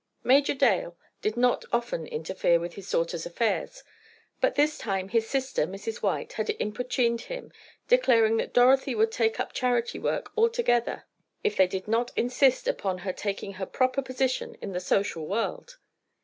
Major Dale did not often interfere with his daughter's affairs, but this time his sister, Mrs. White, had importuned him, declaring that Dorothy would take up charity work altogether if they did not insist upon her taking her proper position in the social world.